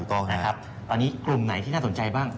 ตอนนี้กลุ่มไหนที่น่าสนใจบ้าง